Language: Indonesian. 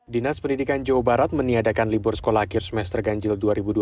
dinas pendidikan jawa barat meniadakan libur sekolah akhir semester ganjil dua ribu dua puluh